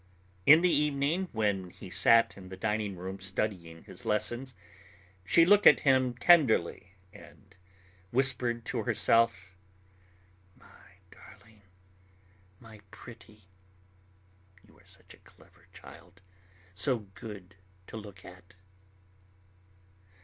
In the evening, when he sat in the dining room studying his lessons, she looked at him tenderly and whispered to herself: "My darling, my pretty. You are such a clever child, so good to look at."